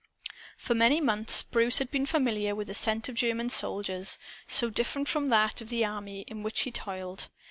For many months, Bruce had been familiar with the scent of German soldiers, so different from that of the army in which he toiled.